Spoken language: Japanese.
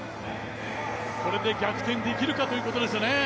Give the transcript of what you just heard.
これで逆転できるかということですよね。